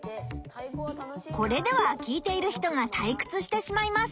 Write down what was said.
これでは聞いている人がたいくつしてしまいます。